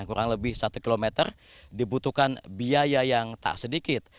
kurang lebih satu km dibutuhkan biaya yang tak sedikit